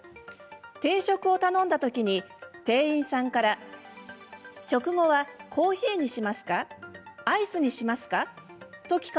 定食を頼んだ時に店員さんから「食後はコーヒーにしますか？